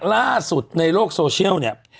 ล่าสุดในโลกโซเชียลเนี่ย